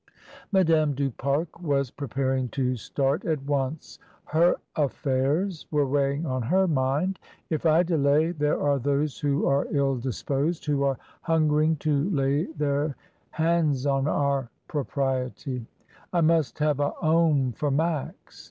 Madame du Pare was preparing to start at once, lier "affairs" were weighing on her mind. "If I delay there are those who are ill disposed, who are 13* 196 MRS. DYMOND. hungering to lay their 'ands on our propriety. I must have a 'ome for Max."